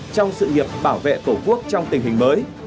trong sự nghiệp bảo vệ tổ quốc trong tình hình mới